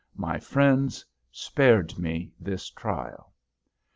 My friends spared me this trial.